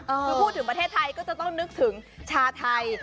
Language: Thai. คือพูดถึงประเทศไทยก็จะต้องนึกถึงชาไทย